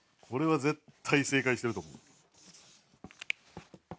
これは絶対正解してると思う。